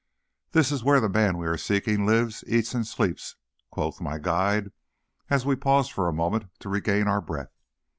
"That is where the man we are seeking lives, eats, and sleeps," quoth my guide, as we paused for a moment to regain our breath.